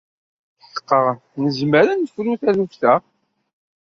Tḥeqqeɣ nezmer ad nefru taluft-a.